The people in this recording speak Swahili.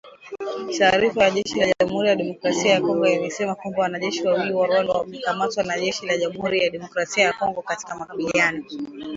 Taarifa ya jeshi la Jamuhuri ya Demokrasia ya Kongo imesema kwamba wanajeshi wawili wa Rwanda wamekamatwa na jeshi la Jamuhuri ya Demokrasia ya Kongo katika makabiliano